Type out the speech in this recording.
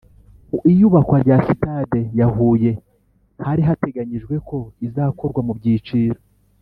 Mu iyubakwa rya Sitade ya Huye hari hateganyijwe ko izakorwa mu byiciro